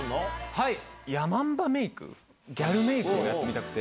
ギャルメイクをやってみたくて。